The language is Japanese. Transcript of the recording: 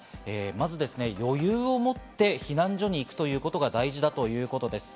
まず余裕を持って避難所に行くということが大事だということです。